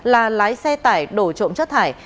là lái xe tải đổ trộm chất thải